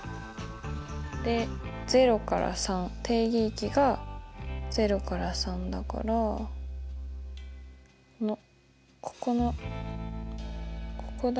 で０から３定義域が０から３だからこのここのここだ。